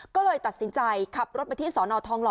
ก็เลยตัดสินใจขับรถไปที่สอนอทองหล